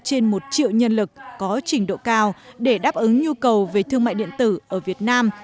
trên một triệu nhân lực có trình độ cao để đáp ứng nhu cầu về thương mại điện tử ở việt nam